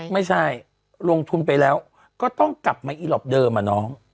ไม่ใช่ลงทุนไปแล้วก็ต้องกลับมาอีหลอปเดิมอะน้อง